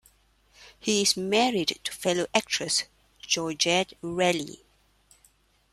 He is married to fellow actress Georgette Reilly.